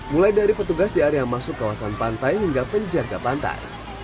mulai dari petugas di area masuk kawasan pantai hingga penjaga pantai